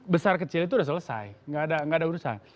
besar kecil itu sudah selesai nggak ada urusan